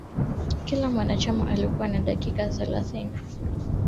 Kila mwanachama alikuwa na dakika thelathini za kumhoji Jackson